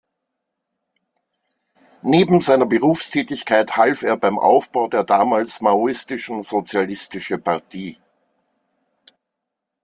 Neben seiner Berufstätigkeit half er beim Aufbau der damals maoistischen Socialistische Partij.